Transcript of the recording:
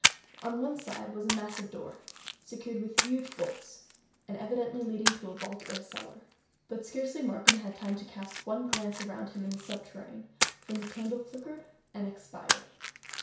On one side was a massive door, secured with huge bolts, and evidently leading into a vault or cellar. But scarcely had Markham time to cast one glance around him in the subterranean, when the candle flickered and expired.